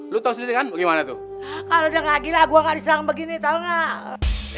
lu tau sendiri kan gimana tuh kalo udah kakak gila gua gak diserang begini tau gak